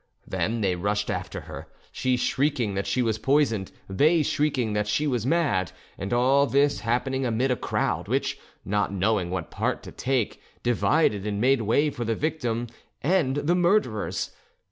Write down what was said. Then they rushed after her; she shrieking that she was poisoned, they shrieking that she was mad; and all this happening amid a crowd which, not knowing what part to take, divided and made way for the victim and the murderers.